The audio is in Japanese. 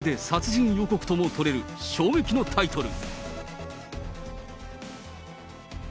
まるで殺人予告とも取れる、衝撃のタイトル。